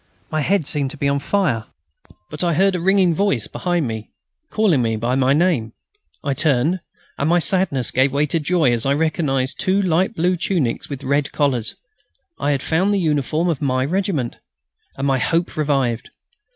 My head seemed to be on fire. But I heard a ringing voice behind me, calling me by my name. I turned, and my sadness gave way to joy as I recognised two light blue tunics with red collars. I had found the uniform of my regiment! and my hope revived.